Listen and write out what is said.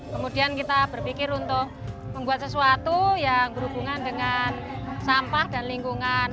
kemudian kita berpikir untuk membuat sesuatu yang berhubungan dengan sampah dan lingkungan